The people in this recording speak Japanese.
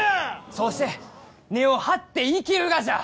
そうして根を張って生きるがじゃ！